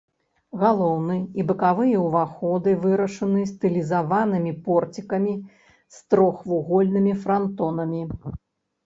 Галоўны і бакавыя ўваходы вырашаны стылізаванымі порцікамі з трохвугольнымі франтонамі.